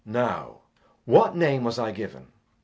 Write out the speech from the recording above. Now, what name was I given?